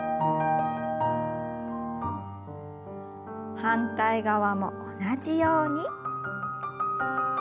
反対側も同じように。